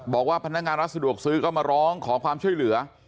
บอกว่าพนักงานร้านสะดวกซื้อก็มาร้องขอความช่วยเหลือ